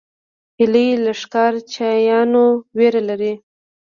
هیلۍ له ښکار چیانو ویره لري